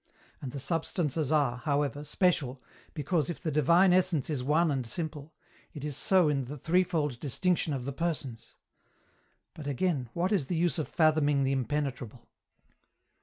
And the Substances are, however, special, because if the divine Essence is one and simple, it is so in the threefold distinction of the Persons ; but, again, what is the use of fathoming the Impenetrable